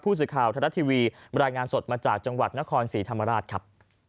สื่อข่าวไทยรัฐทีวีบรรยายงานสดมาจากจังหวัดนครศรีธรรมราชครับ